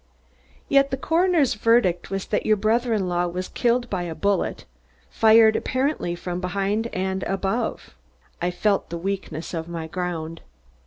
"Yet the coroner's verdict was that your brother in law was killed by a bullet, fired, apparently, from behind and above." I felt the weakness of my ground.